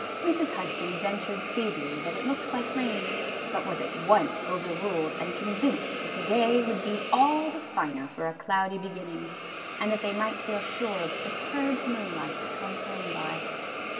Mrs. Hudson ventured feebly that it looked like rain, but was at once overruled and convinced that the day would be all the finer for a 150 MRS. HUDSON'S PICNIC. cloudy beginning, and that they might feel sure of superb moonlight to come home by.